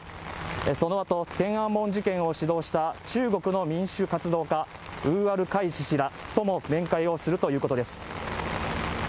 そしてそのあと天安門事件を主導した中国の民主活動家らとも面会をするということです